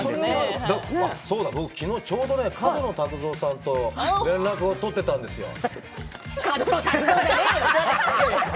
僕、昨日ちょうど角野卓造さんと連絡を角野卓造じゃねえよ！